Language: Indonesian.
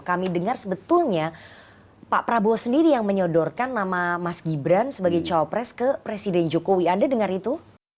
kami dengar sebetulnya pak prabowo sendiri yang menyodorkan nama mas gibran sebagai cowok pres ke presiden jokowi anda dengar itu